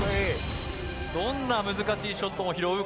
どんな難しいショットも拾う